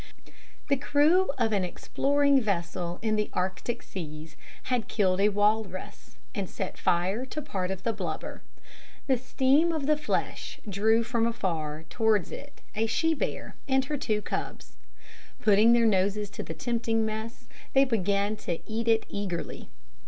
The crew of an exploring vessel in the Arctic Seas had killed a walrus, and set fire to part of the blubber. The steam of the flesh drew from afar towards it a she bear and her two cubs. Putting their noses to the tempting mess, they began to eat it eagerly.